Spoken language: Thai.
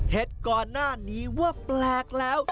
เห็นก่อนหน้านี้ว่าแปลกแล้ว